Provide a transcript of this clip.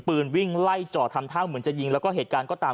วิ่งไล่จอดทำท่าเหมือนจะยิงแล้วก็เหตุการณ์ก็ตาม